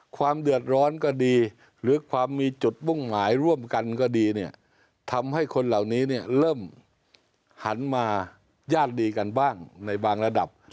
ความเดือดร้อนก็ดีหรือความมีจุดมุ่งหมายร่วมกันก็ดีเนี่ยทำให้คนเหล่านี้เนี่ยเริ่มหันมาญาติดีกันบ้างในบางระดับ